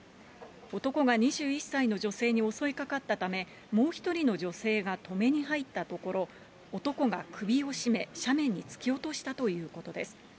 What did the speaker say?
男が２１歳の女性に襲いかかったため、もう１人の女性が止めに入ったところ、男が首を絞め、斜面に突き落としたということです。